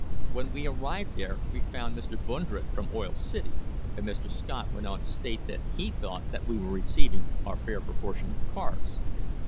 When we arrived there we found Mr. Brundred, from Oil City; and Mr. Scott went on to state that he thought that we were receiving our fair propor tion of cars.